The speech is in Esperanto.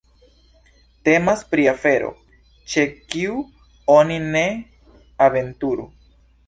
Temas pri afero, ĉe kiu oni ne aventuru.